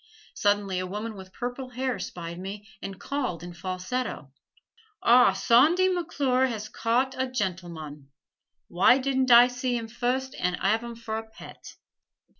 Suddenly a woman with purple hair spied me and called in falsetto: "Ah, Sawndy McClure has caught a gen'l'mon. Why didn't I see 'im fust an' 'arve 'im fer a pet?"